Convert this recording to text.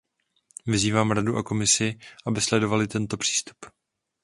Vyzývám Radu a Komisi, aby sledovaly tento přístup.